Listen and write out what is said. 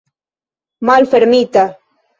malfermita